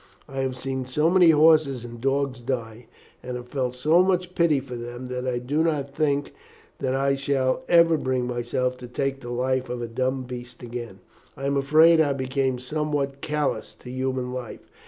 I have seen so many horses and dogs die, and have felt so much pity for them that I do not think that I shall ever bring myself to take the life of a dumb beast again. I am afraid I became somewhat callous to human life.